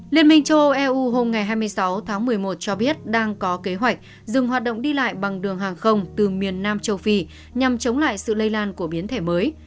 liên minh châu âu eu hôm hai mươi sáu tháng một mươi một cho biết đang có kế hoạch dừng hoạt động đi lại bằng đường hàng không từ miền nam châu phi nhằm chống lại sự lây lan của biến thể mới